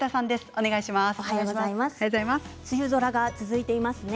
梅雨空が続いていますね。